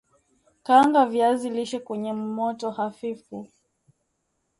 Kaanga viazi lishe kwenye moto hafifu